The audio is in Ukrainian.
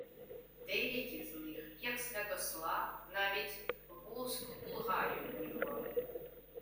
Деякі з них, як Святослав, навіть Волзьку Булгарію воювали